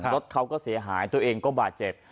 รถเขาก็เสียหายตัวเองก็บาดเจ็บ